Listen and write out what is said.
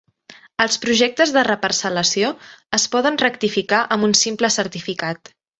Els projectes de reparcel·lació es poden rectificar amb un simple certificat.